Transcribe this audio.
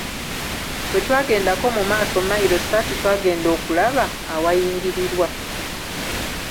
Bwe twagendako mu maaso mailo ssatu twagenda okulaba awayingirirwa.